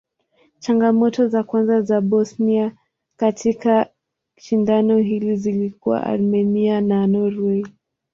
Changamoto za kwanza za Bosnia katika shindano hili zilikuwa Armenia na Norway.